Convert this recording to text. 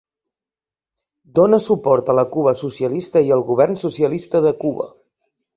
Dona suport a la Cuba socialista i al govern socialista de Cuba.